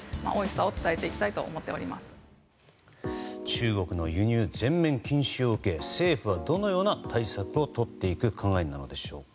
中国の輸入全面禁止を受け政府はどのような対策をとっていく考えなのでしょうか。